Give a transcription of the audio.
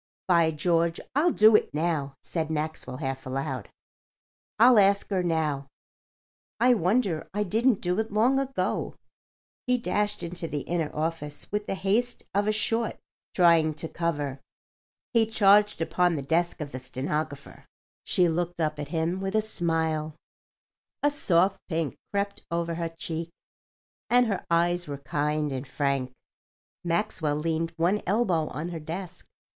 "By George, I'll do it now," said Maxwell, half aloud. "I'll ask her now. I wonder I didn't do it long ago." He dashed into the inner office with the haste of a short trying to cover. He charged upon the desk of the stenographer. She looked up at him with a smile. A soft pink crept over her cheek, and her eyes were kind and frank. Maxwell leaned one elbow on her desk.